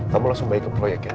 kamu langsung balik ke proyek ya